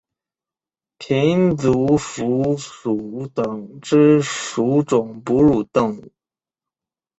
胼足蝠属等之数种哺乳动物。